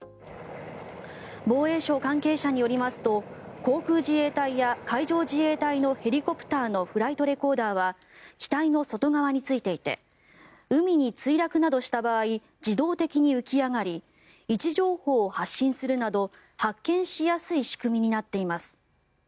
防衛省関係者によりますと航空自衛隊や海上自衛隊のヘリコプターのフライトレコーダーは機体の外側についていて海に墜落などした場合自動的に浮き上がり位置情報を発信するなど発見しやすい仕組みになっています。